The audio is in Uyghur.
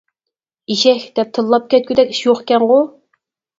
ئېشەك دەپ تىللاپ كەتكۈدەك ئىش يوقكەنغۇ.